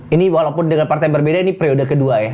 ini walaupun dengan partai yang berbeda ini periode kedua ya